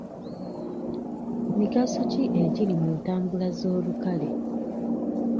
Migaso ki egiri mu ntambula z'olukale?